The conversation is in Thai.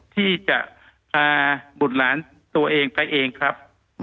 ที่จะพาบุตรหลานตัวเองไปเองครับ